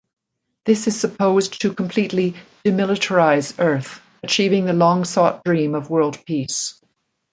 This is supposed to completely demilitarize Earth, achieving the long-sought dream of world peace.